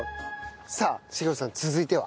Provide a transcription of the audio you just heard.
さあ成子さん続いては？